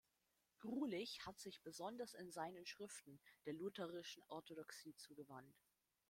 Grulich hat sich besonders in seinen Schriften der lutherischen Orthodoxie zugewandt.